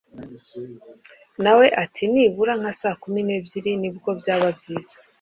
nawe ati nibura nka saa kumi nebyiri nibwo byaba byiza